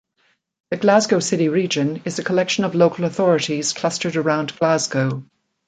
The Glasgow City Region, is a collection of local authorities clustered around Glasgow.